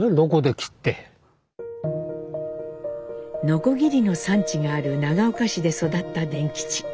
ノコギリの産地がある長岡市で育った傳吉。